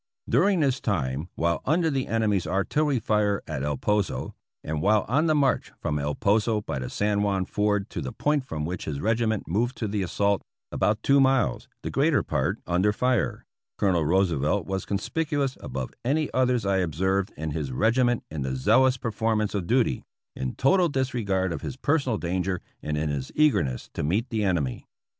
During this time, while under the enemy's artillery fire at El Poso, and while on the march from El Poso by the San Juan ford to the point from which his regi ment moved to the assault — about two miles, the greater part under fire — Colonel Roosevelt was conspicuous above any others I observed in his regiment in the zealous perform ance of duty, in total disregard of his personal danger and in his eagerness to meet the enemy.